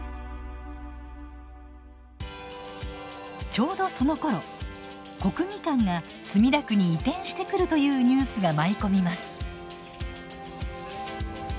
ちょうどそのころ国技館が墨田区に移転してくるというニュースが舞い込みます。